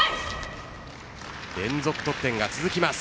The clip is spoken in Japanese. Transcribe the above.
連続得点が続きます。